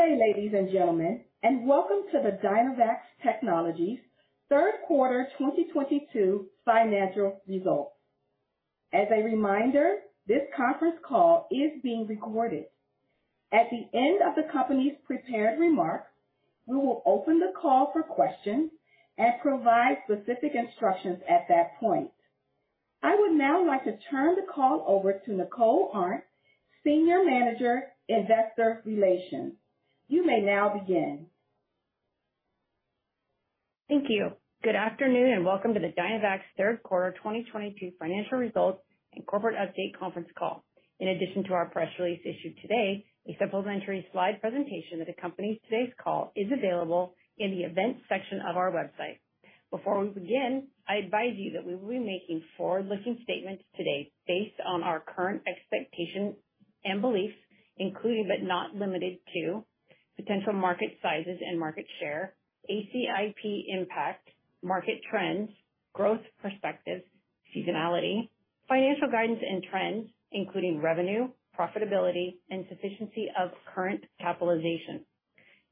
Good day, ladies and gentlemen, and welcome to the Dynavax Technologies third quarter 2022 financial results. As a reminder, this conference call is being recorded. At the end of the company's prepared remarks, we will open the call for questions and provide specific instructions at that point. I would now like to turn the call over to Nicole Arndt, Senior Manager, Investor Relations. You may now begin. Thank you. Good afternoon, and welcome to the Dynavax third quarter 2022 financial results and corporate update conference call. In addition to our press release issued today, a supplementary slide presentation that accompanies today's call is available in the events section of our website. Before we begin, I advise you that we will be making forward-looking statements today based on our current expectations and beliefs, including, but not limited to, potential market sizes and market share, ACIP impact, market trends, growth perspectives, seasonality, financial guidance and trends, including revenue, profitability, and sufficiency of current capitalization.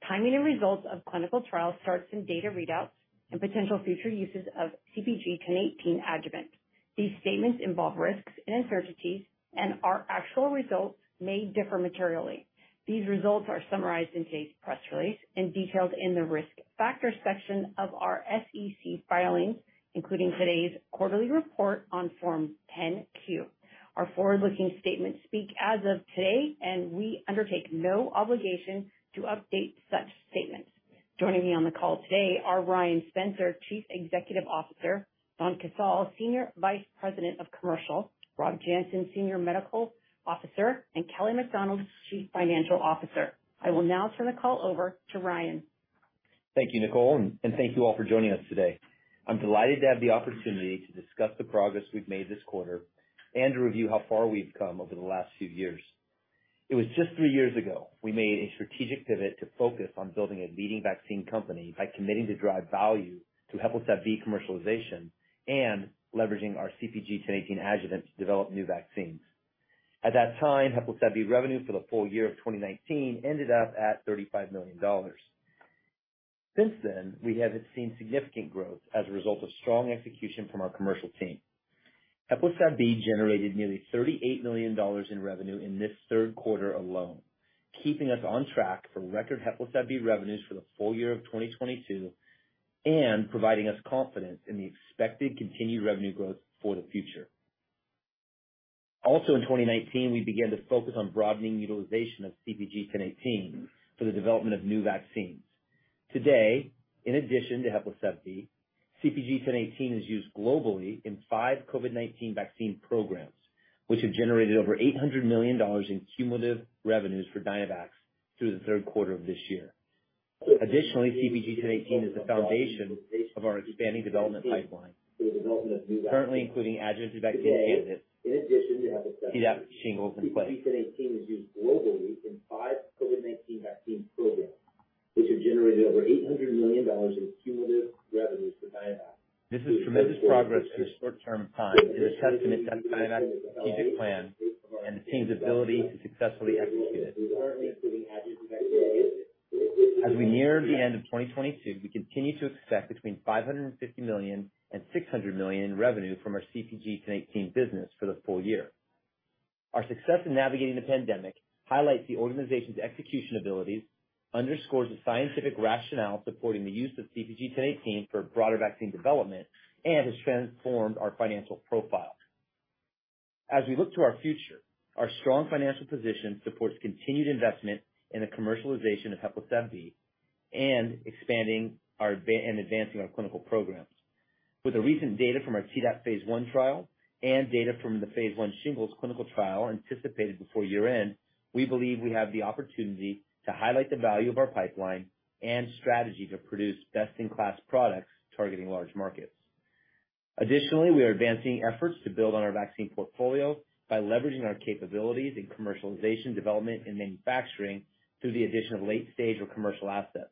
Timing and results of clinical trials, starts and data readouts, and potential future uses of CpG 1018 adjuvant. These statements involve risks and uncertainties, and our actual results may differ materially. These results are summarized in today's press release and detailed in the Risk Factors section of our SEC filings, including today's quarterly report on Form 10-Q. Our forward-looking statements speak as of today, and we undertake no obligation to update such statements. Joining me on the call today are Ryan Spencer, Chief Executive Officer, Donn Casale, Senior Vice President of Commercial, Rob Janssen, Senior Medical Officer, and Kelly MacDonald, Chief Financial Officer. I will now turn the call over to Ryan. Thank you, Nicole, and thank you all for joining us today. I'm delighted to have the opportunity to discuss the progress we've made this quarter and to review how far we've come over the last few years. It was just three years ago, we made a strategic pivot to focus on building a leading vaccine company by committing to drive value through HEPLISAV-B commercialization and leveraging our CpG 1018 adjuvant to develop new vaccines. At that time, HEPLISAV-B revenue for the full year of 2019 ended up at $35 million. Since then, we have seen significant growth as a result of strong execution from our commercial team. HEPLISAV-B generated nearly $38 million in revenue in this third quarter alone, keeping us on track for record HEPLISAV-B revenues for the full year of 2022, and providing us confidence in the expected continued revenue growth for the future. Also in 2019, we began to focus on broadening utilization of CpG 1018 for the development of new vaccines. Today, in addition to HEPLISAV-B, CpG 1018 is used globally in 5 COVID-19 vaccine programs, which have generated over $800 million in cumulative revenues for Dynavax through the third quarter of this year. Additionally, CpG 1018 is the foundation of our expanding development pipeline, currently including adjuvanted vaccine candidates shingles influenza. CpG 1018 is used globally in 5 COVID-19 vaccine programs, which have generated over $800 million in cumulative revenues for Dynavax. This is tremendous progress in a short term of time and a testament to Dynavax's strategic plan and the team's ability to successfully execute it. As we near the end of 2022, we continue to expect between $550 million and $600 million in revenue from our CpG 1018 business for the full year. Our success in navigating the pandemic highlights the organization's execution abilities, underscores the scientific rationale supporting the use of CpG 1018 for broader vaccine development, and has transformed our financial profile. As we look to our future, our strong financial position supports continued investment in the commercialization of HEPLISAV-B and expanding our and advancing our clinical programs. With the recent data from our Tdap phase 1 trial and data from the phase 1 shingles clinical trial anticipated before year-end, we believe we have the opportunity to highlight the value of our pipeline and strategy to produce best-in-class products targeting large markets. Additionally, we are advancing efforts to build on our vaccine portfolio by leveraging our capabilities in commercialization, development, and manufacturing through the addition of late-stage or commercial assets.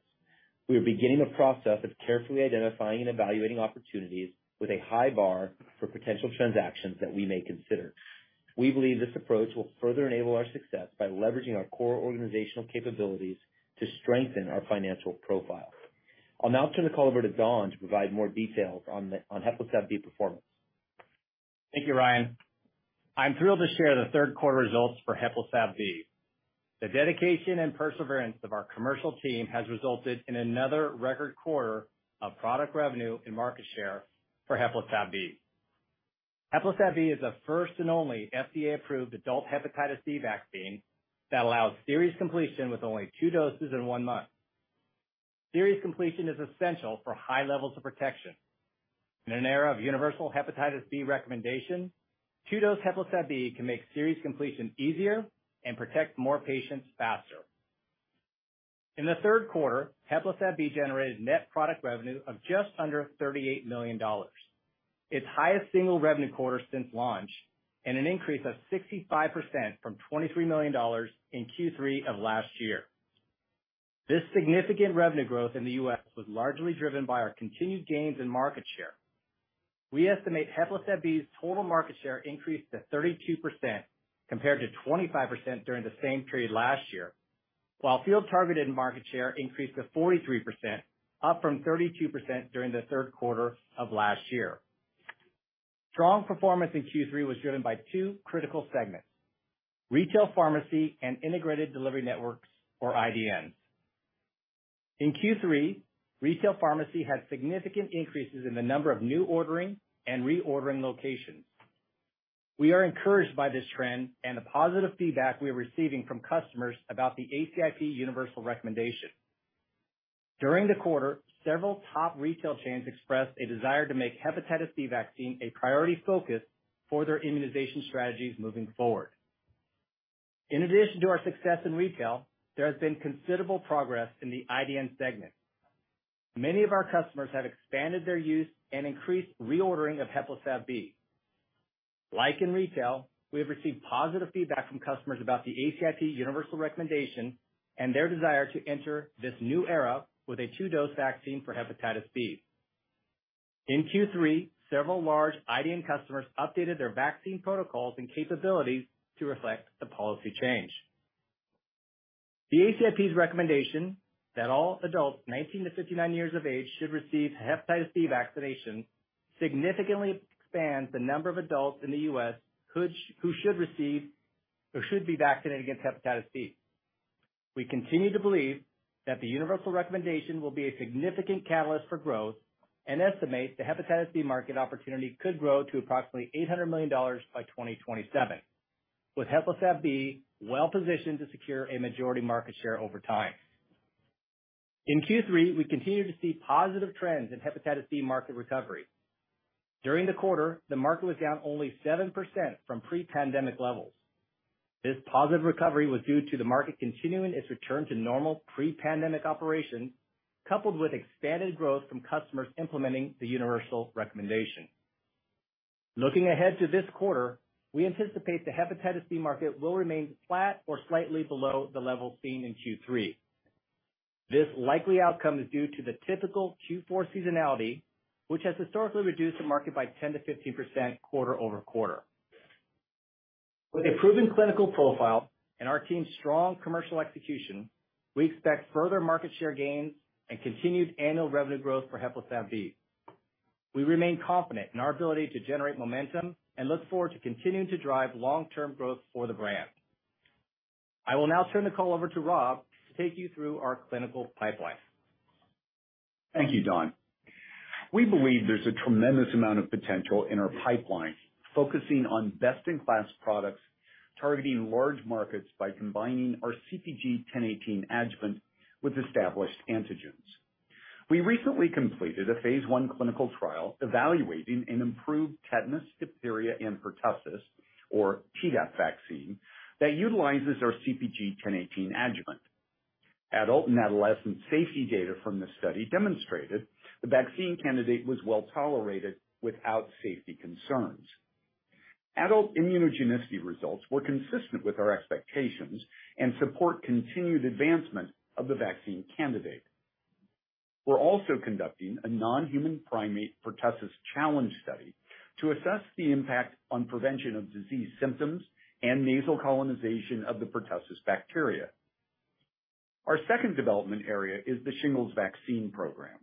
We are beginning the process of carefully identifying and evaluating opportunities with a high bar for potential transactions that we may consider. We believe this approach will further enable our success by leveraging our core organizational capabilities to strengthen our financial profile. I'll now turn the call over to Donn to provide more details on HEPLISAV-B performance. Thank you, Ryan. I'm thrilled to share the third quarter results for HEPLISAV-B. The dedication and perseverance of our commercial team has resulted in another record quarter of product revenue and market share for HEPLISAV-B. HEPLISAV-B is the first and only FDA-approved adult hepatitis B vaccine that allows series completion with only two doses in one month. Series completion is essential for high levels of protection. In an era of universal hepatitis B recommendation, two-dose HEPLISAV-B can make series completion easier and protect more patients faster. In the third quarter, HEPLISAV-B generated net product revenue of just under $38 million, its highest single revenue quarter since launch and a 65% increase from $23 million in Q3 of last year. This significant revenue growth in the U.S. was largely driven by our continued gains in market share. We estimate HEPLISAV-B's total market share increased to 32% compared to 25% during the same period last year. While field-targeted market share increased to 43%, up from 32% during the third quarter of last year. Strong performance in Q3 was driven by two critical segments, retail pharmacy and integrated delivery networks or IDNs. In Q3, retail pharmacy had significant increases in the number of new ordering and reordering locations. We are encouraged by this trend and the positive feedback we are receiving from customers about the ACIP universal recommendation. During the quarter, several top retail chains expressed a desire to make hepatitis B vaccine a priority focus for their immunization strategies moving forward. In addition to our success in retail, there has been considerable progress in the IDN segment. Many of our customers have expanded their use and increased reordering of HEPLISAV-B. Like in retail, we have received positive feedback from customers about the ACIP universal recommendation and their desire to enter this new era with a two-dose vaccine for hepatitis B. In Q3, several large IDN customers updated their vaccine protocols and capabilities to reflect the policy change. The ACIP's recommendation that all adults 19 to 59 years of age should receive hepatitis B vaccination significantly expands the number of adults in the U.S. who should receive or should be vaccinated against hepatitis B. We continue to believe that the universal recommendation will be a significant catalyst for growth and estimate the hepatitis B market opportunity could grow to approximately $800 million by 2027, with HEPLISAV-B well-positioned to secure a majority market share over time. In Q3, we continued to see positive trends in hepatitis B market recovery. During the quarter, the market was down only 7% from pre-pandemic levels. This positive recovery was due to the market continuing its return to normal pre-pandemic operations, coupled with expanded growth from customers implementing the universal recommendation. Looking ahead to this quarter, we anticipate the hepatitis B market will remain flat or slightly below the levels seen in Q3. This likely outcome is due to the typical Q4 seasonality, which has historically reduced the market by 10% to 15% quarter over quarter. With a proven clinical profile and our team's strong commercial execution, we expect further market share gains and continued annual revenue growth for HEPLISAV-B. We remain confident in our ability to generate momentum and look forward to continuing to drive long-term growth for the brand. I will now turn the call over to Rob to take you through our clinical pipeline. Thank you, Donn. We believe there's a tremendous amount of potential in our pipeline, focusing on best-in-class products, targeting large markets by combining our CpG 1018 adjuvant with established antigens. We recently completed a phase 1 clinical trial evaluating an improved tetanus, diphtheria, and pertussis or Tdap vaccine that utilizes our CpG 1018 adjuvant. Adult and adolescent safety data from this study demonstrated the vaccine candidate was well-tolerated without safety concerns. Adult immunogenicity results were consistent with our expectations and support continued advancement of the vaccine candidate. We're also conducting a non-human primate pertussis challenge study to assess the impact on prevention of disease symptoms and nasal colonization of the pertussis bacteria. Our second development area is the shingles vaccine program.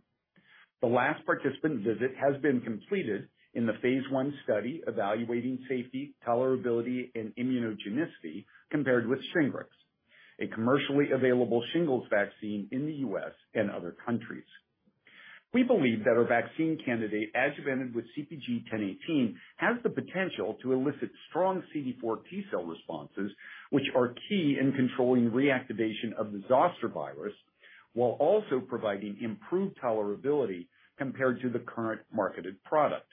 The last participant visit has been completed in the phase one study evaluating safety, tolerability, and immunogenicity compared with Shingrix, a commercially available shingles vaccine in the U.S. and other countries. We believe that our vaccine candidate, adjuvanted with CpG 1018, has the potential to elicit strong CD4 T-cell responses, which are key in controlling reactivation of the zoster virus while also providing improved tolerability compared to the current marketed product.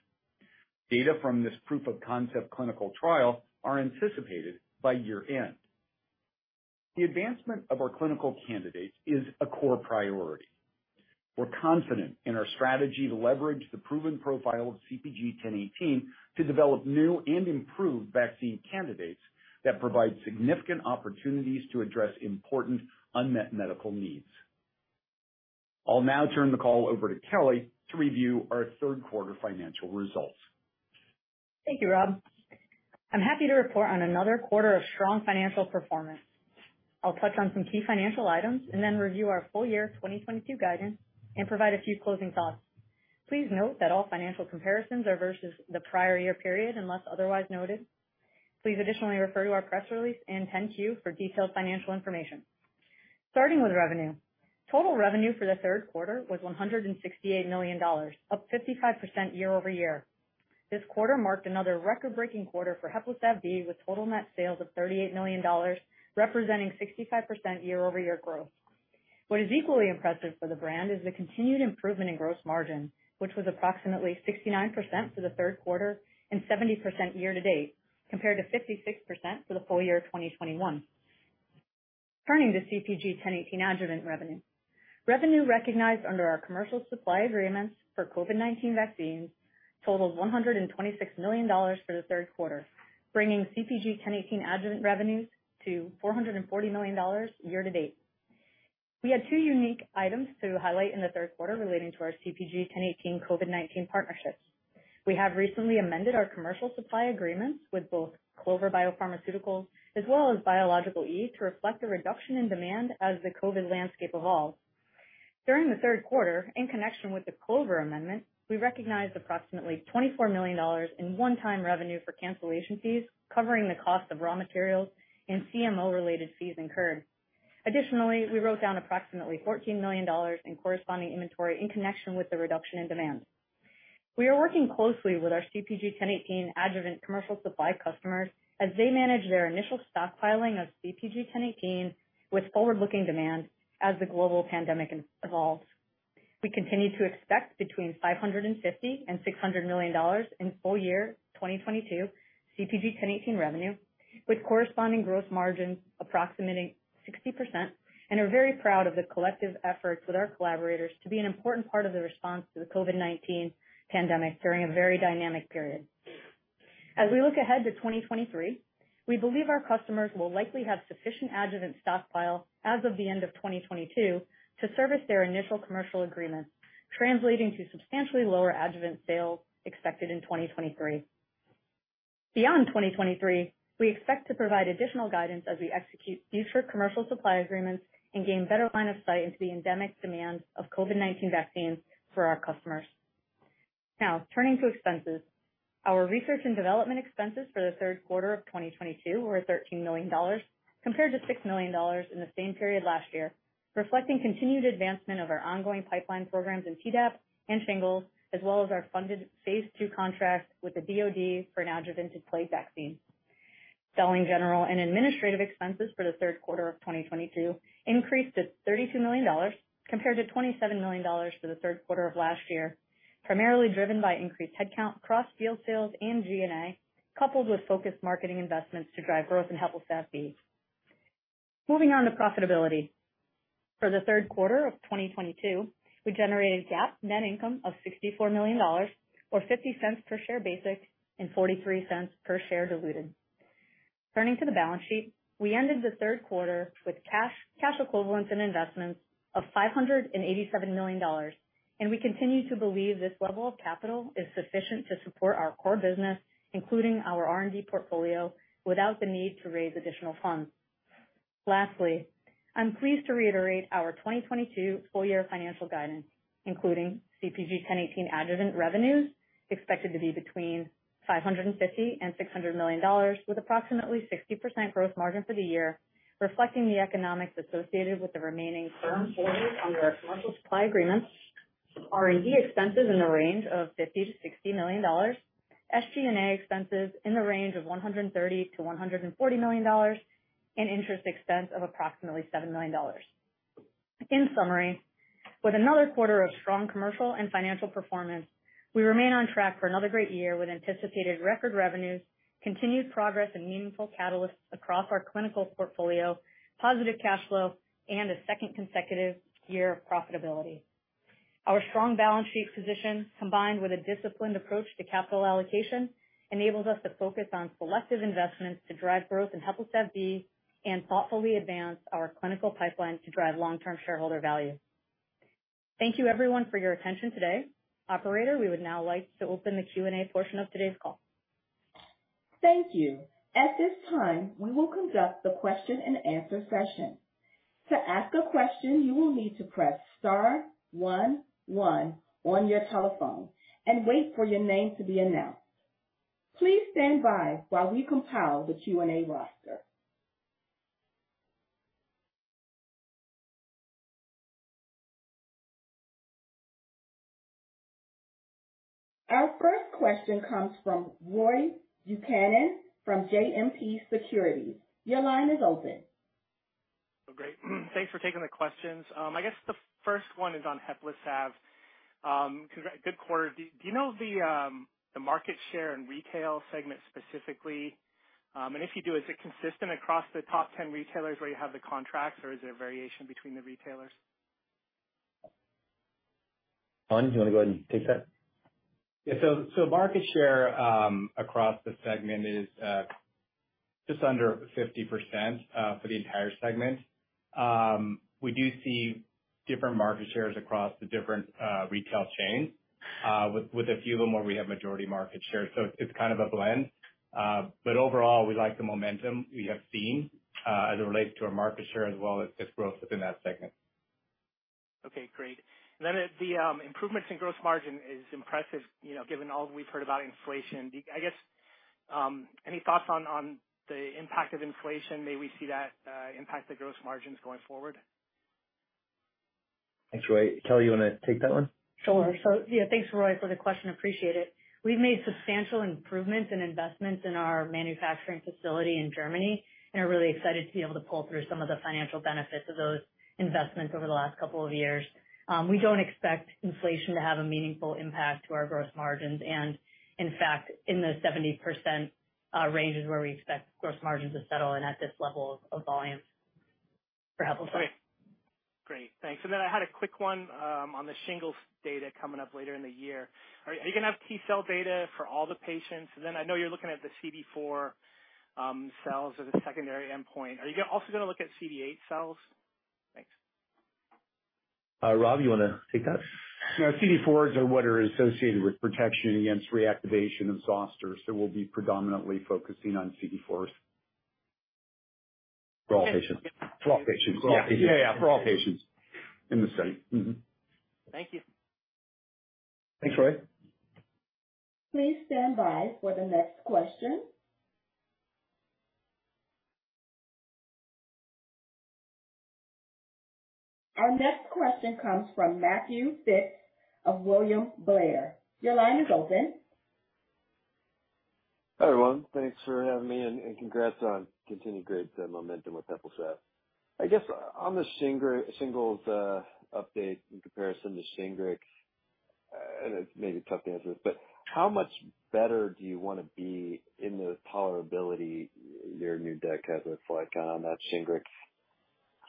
Data from this proof of concept clinical trial are anticipated by year-end. The advancement of our clinical candidates is a core priority. We're confident in our strategy to leverage the proven profile of CpG 1018 to develop new and improved vaccine candidates that provide significant opportunities to address important unmet medical needs. I'll now turn the call over to Kelly to review our third quarter financial results. Thank you, Rob. I'm happy to report on another quarter of strong financial performance. I'll touch on some key financial items and then review our full year 2022 guidance and provide a few closing thoughts. Please note that all financial comparisons are versus the prior year period, unless otherwise noted. Please additionally refer to our press release and Form 10-Q for detailed financial information. Starting with revenue. Total revenue for the third quarter was $168 million, up 55% year-over-year. This quarter marked another record-breaking quarter for HEPLISAV-B, with total net sales of $38 million, representing 65% year-over-year growth. What is equally impressive for the brand is the continued improvement in gross margin, which was approximately 69% for the third quarter and 70% year to date, compared to 56% for the full year 2021. Turning to CpG 1018 Adjuvant revenue. Revenue recognized under our commercial supply agreements for COVID-19 vaccines totaled $126 million for the third quarter, bringing CpG 1018 Adjuvant revenues to $440 million year to date. We had two unique items to highlight in the third quarter relating to our CpG 1018 COVID-19 partnerships. We have recently amended our commercial supply agreements with both Clover Biopharmaceuticals, Ltd. as well as Biological E. Ltd to reflect a reduction in demand as the COVID landscape evolves. During the third quarter, in connection with the Clover amendment, we recognized approximately $24 million in one-time revenue for cancellation fees, covering the cost of raw materials and CMO-related fees incurred. Additionally, we wrote down approximately $14 million in corresponding inventory in connection with the reduction in demand. We are working closely with our CpG 1018 adjuvant commercial supply customers as they manage their initial stockpiling of CpG 1018 with forward-looking demand as the global pandemic evolves. We continue to expect between $550 million and $600 million in full year 2022 CpG 1018 revenue, with corresponding gross margin approximating 60%, and are very proud of the collective efforts with our collaborators to be an important part of the response to the COVID-19 pandemic during a very dynamic period. As we look ahead to 2023, we believe our customers will likely have sufficient adjuvant stockpile as of the end of 2022 to service their initial commercial agreements, translating to substantially lower adjuvant sales expected in 2023. Beyond 2023, we expect to provide additional guidance as we execute future commercial supply agreements and gain better line of sight into the endemic demands of COVID-19 vaccines for our customers. Now, turning to expenses. Our research and development expenses for the third quarter of 2022 were $13 million, compared to $6 million in the same period last year, reflecting continued advancement of our ongoing pipeline programs in Tdap and shingles, as well as our funded phase two contract with the DOD for an adjuvanted Plague Vaccine. Selling general and administrative expenses for the third quarter of 2022 increased to $32 million, compared to $27 million for the third quarter of last year, primarily driven by increased headcount across field sales and G&A, coupled with focused marketing investments to drive growth in HEPLISAV-B. Moving on to profitability. For the third quarter of 2022, we generated GAAP net income of $64 million or $0.50 per share basic and $0.43 per share diluted. Turning to the balance sheet. We ended the third quarter with cash equivalents and investments of $587 million, and we continue to believe this level of capital is sufficient to support our core business, including our R&D portfolio, without the need to raise additional funds. Lastly, I'm pleased to reiterate our 2022 full year financial guidance, including CpG 1018 adjuvant revenues expected to be between $550 million and $600 million, with approximately 60% gross margin for the year, reflecting the economics associated with the remaining firm deliveries under our commercial supply agreements, R&D expenses in the range of $50 to $60 million, SG&A expenses in the range of $130 to $140 million, and interest expense of approximately $7 million. In summary, with another quarter of strong commercial and financial performance, we remain on track for another great year with anticipated record revenues, continued progress in meaningful catalysts across our clinical portfolio, positive cash flow, and a second consecutive year of profitability. Our strong balance sheet position, combined with a disciplined approach to capital allocation, enables us to focus on selective investments to drive growth in HEPLISAV-B and thoughtfully advance our clinical pipeline to drive long-term shareholder value. Thank you everyone for your attention today. Operator, we would now like to open the Q&A portion of today's call. Thank you. At this time, we will conduct the question and answer session. To ask a question, you will need to press star one one on your telephone and wait for your name to be announced. Please stand by while we compile the Q&A roster. Our first question comes from Roy Buchanan from JMP Securities. Your line is open. Oh, great. Thanks for taking the questions. I guess the first one is on HEPLISAV-B. Good quarter. Do you know the market share and retail segment specifically? If you do, is it consistent across the top 10 retailers where you have the contracts, or is there variation between the retailers? Donn, do you wanna go ahead and take that? Yeah, market share across the segment is just under 50% for the entire segment. We do see different market shares across the different retail chains with a few of them where we have majority market share. It's kind of a blend. Overall, we like the momentum we have seen as it relates to our market share as well as just growth within that segment. Okay, great. At the improvements in gross margin is impressive, you know, given all that we've heard about inflation. I guess any thoughts on the impact of inflation? Might we see that impact the gross margins going forward? Thanks, Roy. Kelly, you wanna take that one? Sure. Yeah, thanks, Roy, for the question. Appreciate it. We've made substantial improvements and investments in our manufacturing facility in Germany, and are really excited to be able to pull through some of the financial benefits of those investments over the last couple of years. We don't expect inflation to have a meaningful impact to our gross margins. In fact, in the 70% range is where we expect gross margins to settle in at this level of volume for HEPLISAV. Great. Thanks. I had a quick one on the shingles data coming up later in the year. Are you gonna have T-cell data for all the patients? I know you're looking at the CD4 cells as a secondary endpoint. Are you also gonna look at CD8 cells? Thanks. Rob, you wanna take that? You know, CD4s are what are associated with protection against reactivation of zoster, so we'll be predominantly focusing on CD4s. For all patients. For all patients. Yeah, for all patients. In the study. Thank you. Thanks, Roy. Please stand by for the next question. Our next question comes from Matthew Phipps of William Blair. Your line is open. Hi, everyone. Thanks for having me, and congrats on continued great momentum with HEPLISAV-B. I guess on the shingles update in comparison to Shingrix, it may be tough to answer this, but how much better do you wanna be in the tolerability. Your new data has looked like on that Shingrix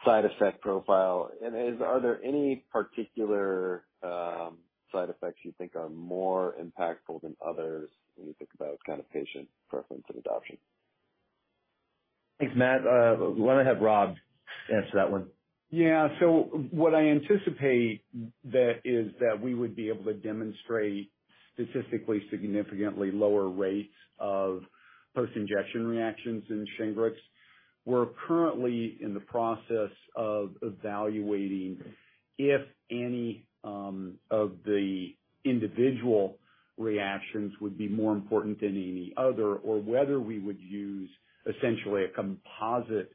side effect profile? Are there any particular side effects you think are more impactful than others when you think about kind of patient preference and adoption? Thanks, Matt. Why don't I have Rob answer that one? Yeah. What I anticipate is that we would be able to demonstrate statistically significantly lower rates of post-injection reactions in Shingrix. We're currently in the process of evaluating if any of the individual reactions would be more important than any other or whether we would use essentially a composite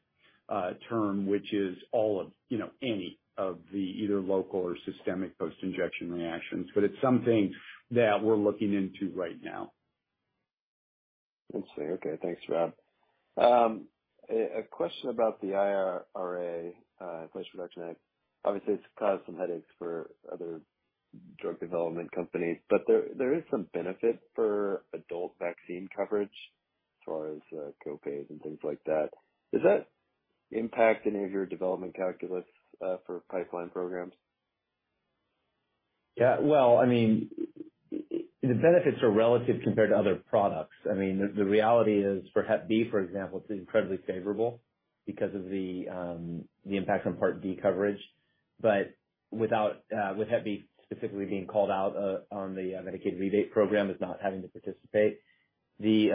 term, which is all of, you know, any of the either local or systemic post-injection reactions. It's something that we're looking into right now. I see. Okay. Thanks, Rob. A question about the IRA, Inflation Reduction Act. Obviously, it's caused some headaches for other drug development companies, but there is some benefit for adult vaccine coverage as far as copays and things like that. Does that impact any of your development calculus for pipeline programs? Yeah. Well, I mean, the benefits are relative compared to other products. I mean, the reality is for Hep B, for example, it's incredibly favorable because of the impact on Part D coverage. With Hep B specifically being called out on the Medicaid rebate program is not having to participate. We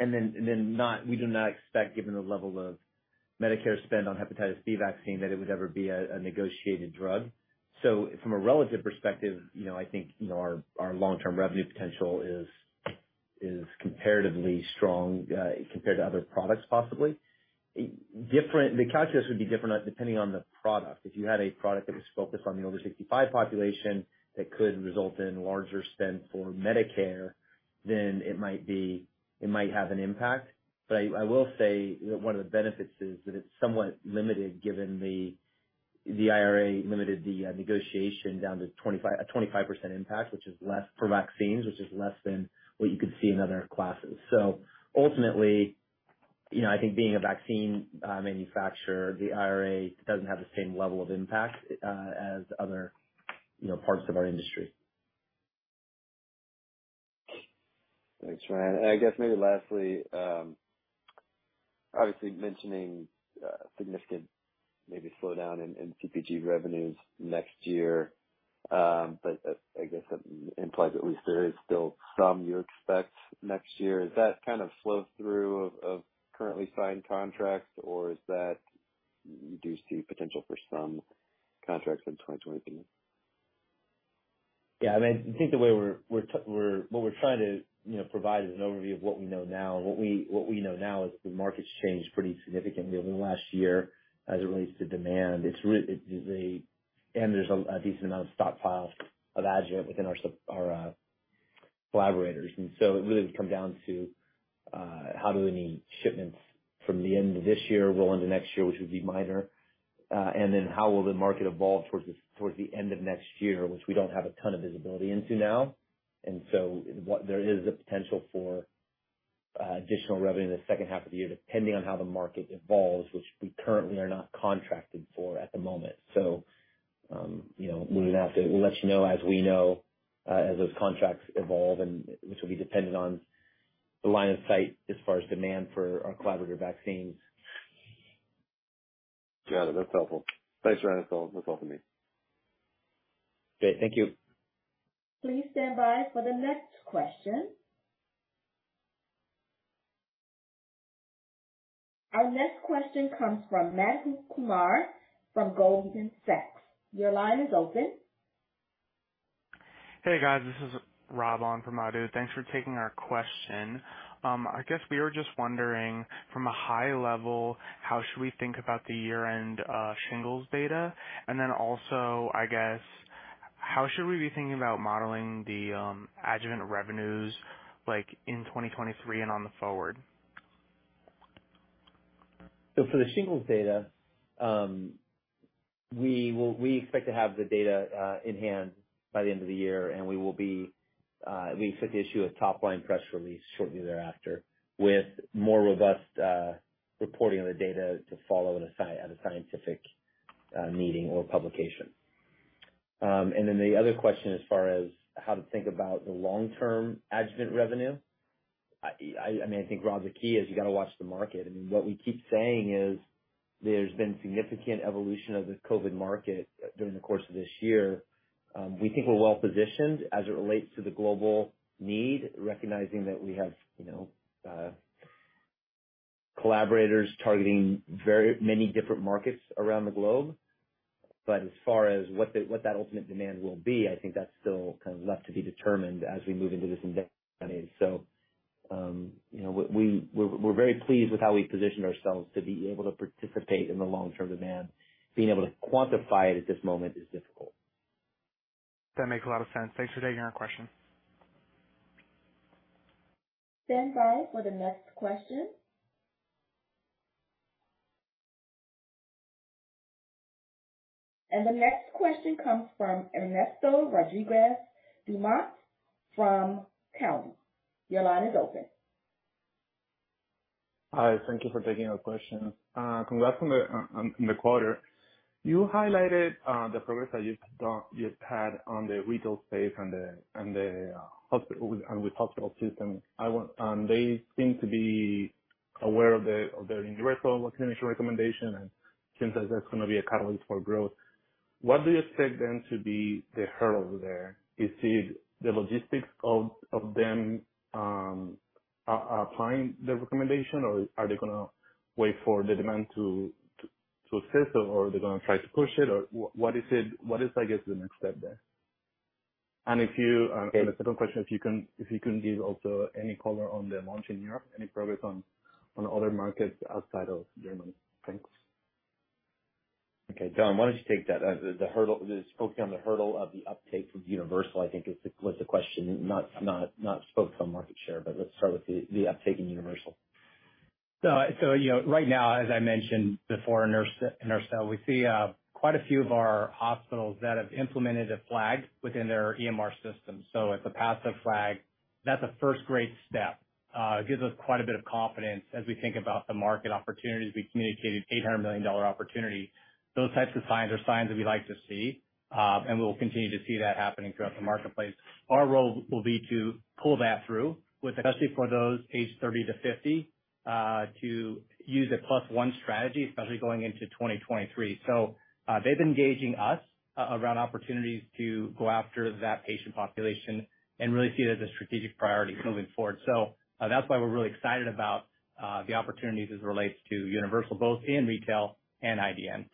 do not expect, given the level of Medicare spend on hepatitis B vaccine, that it would ever be a negotiated drug. So from a relative perspective, you know, I think, you know, our long-term revenue potential is comparatively strong compared to other products possibly. The calculus would be different depending on the product. If you had a product that was focused on the older 65 population that could result in larger spend for Medicare, then it might be. It might have an impact. I will say one of the benefits is that it's somewhat limited, given the IRA limited the negotiation down to 25% impact, which is less for vaccines, which is less than what you could see in other classes. Ultimately, you know, I think being a vaccine manufacturer, the IRA doesn't have the same level of impact as other, you know, parts of our industry. Thanks, Ryan. I guess maybe lastly, obviously mentioning significant maybe slowdown in CpG revenues next year. I guess that implies at least there is still some you expect next year. Is that kind of flow through of currently signed contracts, or is that reduced to potential for some contracts in 2020? Yeah. I mean, I think the way we're trying to, you know, provide is an overview of what we know now. What we know now is the market's changed pretty significantly over the last year as it relates to demand. There is a decent amount of stockpiles of adjuvant within our collaborators. It really would come down to how the shipments from the end of this year roll into next year, which would be minor. How will the market evolve towards the end of next year, which we don't have a ton of visibility into now. What there is a potential for additional revenue in the second half of the year, depending on how the market evolves, which we currently are not contracted for at the moment. You know, we'll let you know as we know, as those contracts evolve and which will be dependent on the line of sight as far as demand for our collaborator vaccines. Got it. That's helpful. Thanks, Ryan. That's all, that's all for me. Great. Thank you. Please stand by for the next question. Our next question comes from Madhu Kumar from Goldman Sachs. Your line is open. Hey, guys. This is Rab and Madhu. Thanks for taking our question. I guess we were just wondering from a high level, how should we think about the year-end shingles data? I guess, how should we be thinking about modeling the adjuvant revenues like in 2023 and going forward? For the shingles data, we expect to have the data in hand by the end of the year, and we expect to issue a top-line press release shortly thereafter, with more robust reporting of the data to follow at a scientific meeting or publication. The other question as far as how to think about the long-term adjuvant revenue. I mean, I think, Rob, the key is you got to watch the market. I mean, what we keep saying is there's been significant evolution of the COVID market during the course of this year. We think we're well positioned as it relates to the global need, recognizing that we have, you know, collaborators targeting very many different markets around the globe. As far as what that ultimate demand will be, I think that's still kind of left to be determined as we move into this in-depth study. You know, we're very pleased with how we've positioned ourselves to be able to participate in the long-term demand. Being able to quantify it at this moment is difficult. That makes a lot of sense. Thanks for taking our question. Stand by for the next question. The next question comes from Ernesto Rodriguez-Dumont from Cowen. Your line is open. Hi, thank you for taking our question. Congrats on the quarter. You highlighted the progress that you've had on the retail space and the hospital system. They seem to be aware of the universal vaccination recommendation and seems as that's gonna be a catalyst for growth. What do you expect then to be the hurdle there? Is it the logistics of them applying the recommendation, or are they gonna wait for the demand to exist, or are they gonna try to push it, or what is it, what is I guess the next step there? And if you Okay. The second question, if you can give also any color on the launch in Europe, any progress on other markets outside of Germany. Thanks. Okay, Donn, why don't you take that? The focus on the hurdle of the uptake with universal, I think was the question, not focus on market share, but let's start with the uptake in universal. You know, right now, as I mentioned before in our call, we see quite a few of our hospitals that have implemented a flag within their EMR system. It's a passive flag. That's a first great step. It gives us quite a bit of confidence as we think about the market opportunities. We communicated $800 million opportunity. Those types of signs are signs that we like to see, and we'll continue to see that happening throughout the marketplace. Our role will be to pull that through with, especially for those aged 30 to 50, to use a plus one strategy, especially going into 2023. They've been engaging us around opportunities to go after that patient population and really see it as a strategic priority moving forward. That's why we're really excited about the opportunities as it relates to universal, both in retail and IDN.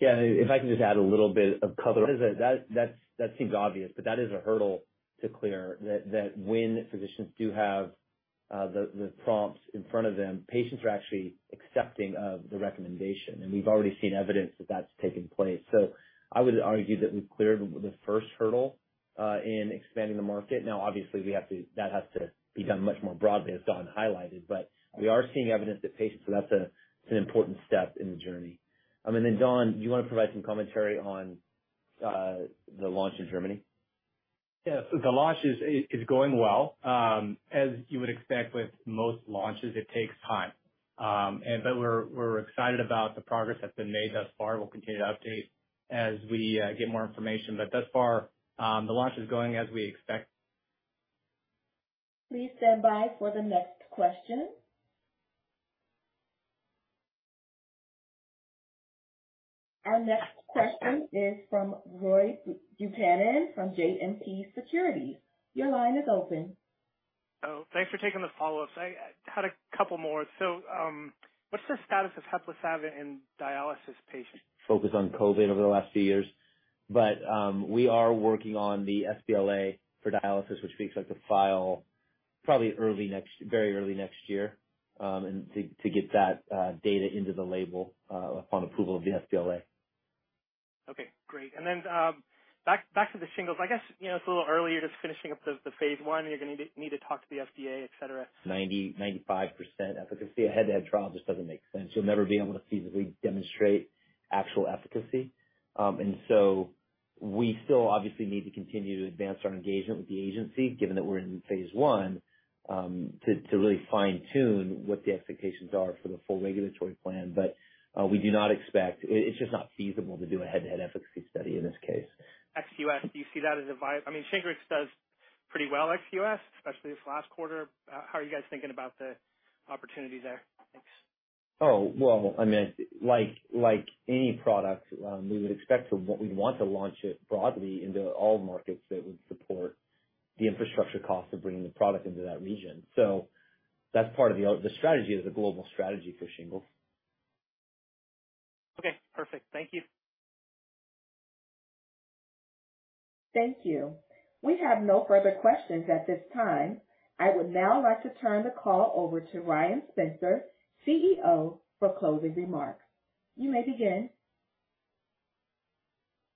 Yeah, if I can just add a little bit of color. That seems obvious, but that is a hurdle to clear, that when physicians do have the prompts in front of them, patients are actually accepting of the recommendation. We've already seen evidence that that's taking place. I would argue that we've cleared the first hurdle in expanding the market. Now, obviously, that has to be done much more broadly, as Donn highlighted. We are seeing evidence that patients. That's an important step in the journey. I mean, then Donn, do you wanna provide some commentary on the launch in Germany? Yeah. The launch is going well. As you would expect with most launches, it takes time. We're excited about the progress that's been made thus far. We'll continue to update as we get more information. Thus far, the launch is going as we expect. Please stand by for the next question. Our next question is from Roy Buchanan from JMP Securities. Your line is open. Oh, thanks for taking the follow-ups. I had a couple more. What's the status of HEPLISAV-B in dialysis patients? Focus on COVID over the last few years. We are working on the sBLA for dialysis, which we expect to file probably early next, very early next year, and to get that data into the label upon approval of the sBLA. Okay, great. Back to the shingles. I guess, you know, it's a little early. You're just finishing up the phase 1. You're gonna need to talk to the FDA, et cetera. 95% efficacy. A head-to-head trial just doesn't make sense. You'll never be able to feasibly demonstrate actual efficacy. We still obviously need to continue to advance our engagement with the agency, given that we're in phase 1, to really fine-tune what the expectations are for the full regulatory plan. We do not expect it. It's just not feasible to do a head-to-head efficacy study in this case. Ex-U.S., do you see that as a, I mean, Shingrix does pretty well ex-U.S., especially this last quarter. How are you guys thinking about the opportunity there? Thanks. Oh, well, I mean, like any product, we would expect to what we'd want to launch it broadly into all markets that would support the infrastructure cost of bringing the product into that region. That's part of the strategy is a global strategy for shingles. Okay, perfect. Thank you. Thank you. We have no further questions at this time. I would now like to turn the call over to Ryan Spencer, CEO, for closing remarks. You may begin.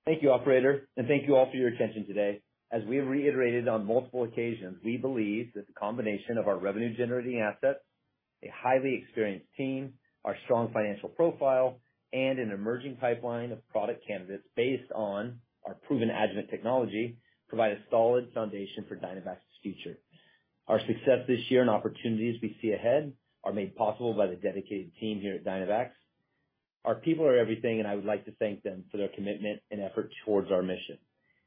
Thank you, operator, and thank you all for your attention today. As we have reiterated on multiple occasions, we believe that the combination of our revenue generating assets, a highly experienced team, our strong financial profile, and an emerging pipeline of product candidates based on our proven adjuvant technology, provide a solid foundation for Dynavax's future. Our success this year and opportunities we see ahead are made possible by the dedicated team here at Dynavax. Our people are everything, and I would like to thank them for their commitment and effort towards our mission.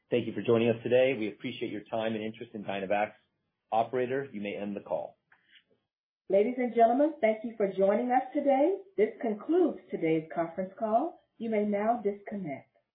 Thank you for joining us today. We appreciate your time and interest in Dynavax. Operator, you may end the call. Ladies and gentlemen, thank you for joining us today. This concludes today's conference call. You may now disconnect.